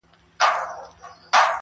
په قبرو کي د وطن په غم افګار یو!!